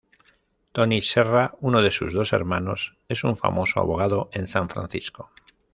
Tony Serra, uno de sus dos hermanos, es un famoso abogado en San Francisco.